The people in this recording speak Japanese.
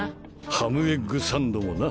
ハムエッグサンドもな。